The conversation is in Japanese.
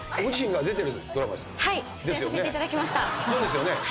そうですよね？